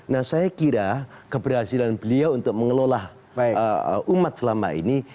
nah saya kira keberhasilan beliau untuk mengelola umat selama ini